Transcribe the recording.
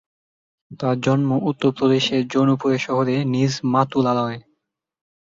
তাঁর জন্ম উত্তরপ্রদেশের জৌনপুর শহরে নিজ মাতুলালয়ে।